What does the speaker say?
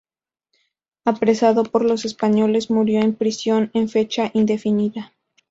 Apresado por los españoles, murió en prisión en fecha indefinida.